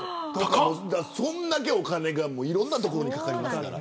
そんだけお金がいろんなところにかかりますから。